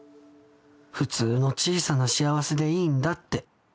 フツーの小さな幸せでいいんだって。